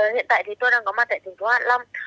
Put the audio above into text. hiện tại tôi đang có mặt tại thành phố hạn long